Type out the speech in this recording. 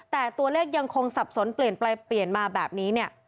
แต่ตัวเลขยังคงสับสนเปลี่ยนไปเปลี่ยนมาแบบนี้เนี่ย